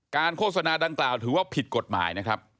การโฆษณาดังกล่าวถือว่าผิดกฎหมาย